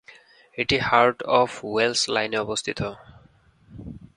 এটি heart of Wales লাইনে অবস্থিত।